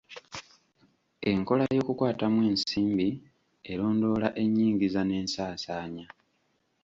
Enkola y'okukwatamu ensimbi erondoola ennyingiza n'ensaasaanya.